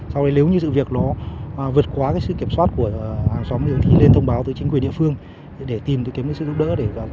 sau đấy nếu như sự việc nó vượt quá sự kiểm soát của hàng xóm thì nên thông báo tới chính quyền địa phương để tìm đến sự giúp đỡ